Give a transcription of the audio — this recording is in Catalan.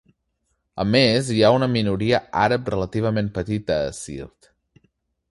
A més hi ha una minoria àrab relativament petita a Siirt.